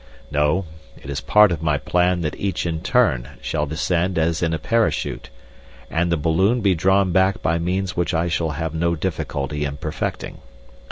"No, it is part of my plan that each in turn shall descend as in a parachute, and the balloon be drawn back by means which I shall have no difficulty in perfecting.